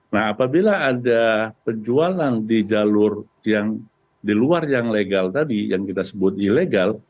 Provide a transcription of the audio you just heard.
nah apabila ada penjualan di jalur yang di luar yang legal tadi yang kita sebut ilegal